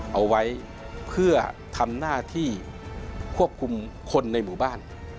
เอาไว้เพื่อทำหน้าที่ควบคุมคนในหมู่บ้าน